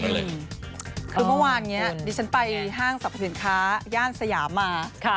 คือเมื่อวานนี้ดิฉันไปห้างสรรพสินค้าย่านสยามมา